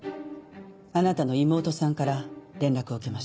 あなたの妹さんから連絡を受けました。